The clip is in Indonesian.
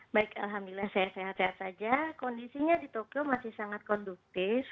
baik alhamdulillah saya sehat sehat saja kondisinya di tokyo masih sangat kondusif